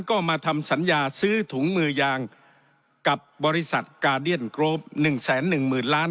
ก็มาทำสัญญาซื้อถุงมือยางกับบริษัทการเดียนโกรฟหนึ่งแสนหนึ่งหมื่นล้าน